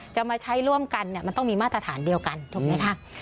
จะมาใช้ร่วมกันมันต้องมีมาตรฐานเดียวกันถูกไหมคะ